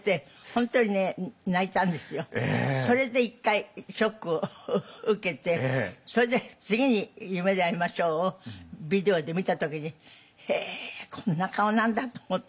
それで一回ショックを受けてそれで次に「夢であいましょう」をビデオで見た時にへえこんな顔なんだと思ってね。